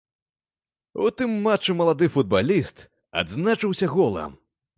У тым матчы малады футбаліст адзначыўся голам.